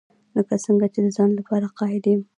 لکه څنګه چې د ځان لپاره قایل یم.